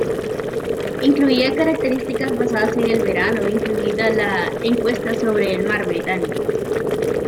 Incluía características basadas en el verano, incluida la 'Encuesta sobre el mar británico'.